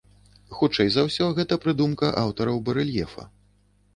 Хутчэй за ўсё, гэта прыдумка аўтараў барэльефа.